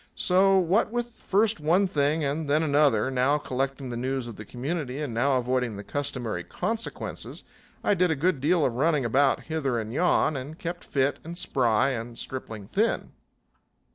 So, what with first one thing and then another, now collecting the news of the community and now avoiding the customary consequences, I did a good deal of running about hither and yon, and kept fit and spry and stripling thin.